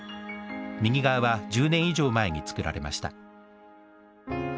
右側は１０年以上前に作られました。